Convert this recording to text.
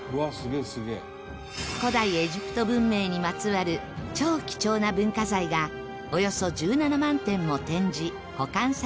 古代エジプト文明にまつわる超貴重な文化財がおよそ１７万点も展示保管されている場所